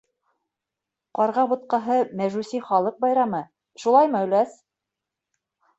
Ҡарға буткаһы мәжүси халыҡ байрамы, шулаймы, өләс?